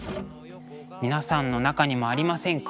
皆さんの中にもありませんか？